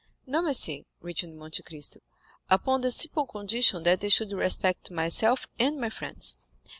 "No, monsieur," returned Monte Cristo "upon the simple condition that they should respect myself and my friends.